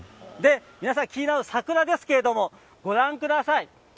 皆さんが気になる桜ですけども、ご覧ください。